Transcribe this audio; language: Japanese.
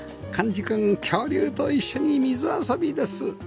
寛司くん恐竜と一緒に水遊びです